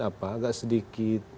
apa agak sedikit